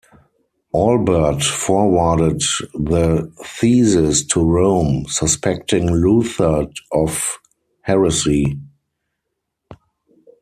Albert forwarded the theses to Rome, suspecting Luther of heresy.